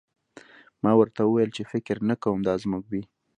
ما ورته وویل چې فکر نه کوم دا زموږ وي